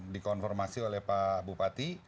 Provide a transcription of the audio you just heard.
dikonformasi oleh pak bupati